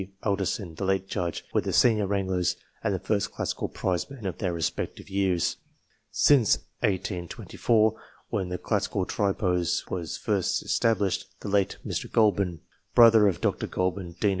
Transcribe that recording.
Alderson, the late j udge, were the senior wranglers and the first classical prizemen of their respective years. Since 1824, when the classical tripos was first established, the late Mr. Goulburn (son of the Right Hon. H.